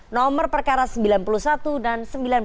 nomor perkara sembilan puluh satu dan sembilan puluh tiga